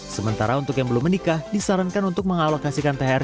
sementara untuk yang belum menikah disarankan untuk mengalokasikan thr